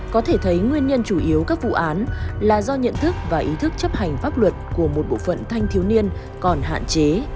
có thể thấy nguyên nhân chủ yếu các vụ án là do nhận thức và ý thức chấp hành pháp luật của một bộ phận thanh thiếu niên còn hạn chế